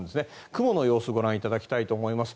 雲の様子をご覧いただきたいと思います。